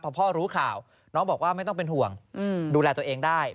พอพ่อรู้ข่าวน้องบอกว่าไม่ต้องเป็นห่วงดูแลตัวเองได้